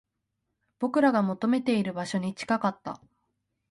僕らが求めている場所に近かった